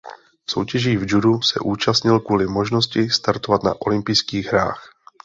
Soutěží v judu se účastnil kvůli možnosti startovat na olympijských hrách.